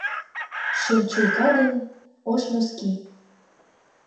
Шем чулка ден ош носки -